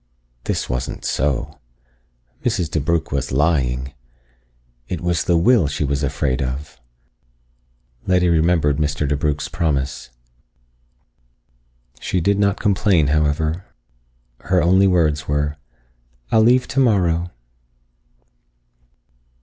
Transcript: This wasn't so! Mrs. DeBrugh was lying! It was the will she was afraid of. Letty remembered Mr. DeBrugh's promise. She did not complain, however. Her only words were, "I'll leave tomorrow."